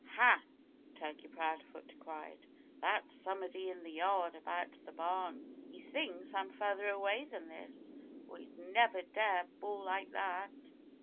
"Ha!" Turkey Proudfoot cried. "That's somebody in the yard, around the barn. He thinks I'm further away than this, or he'd never dare bawl like that."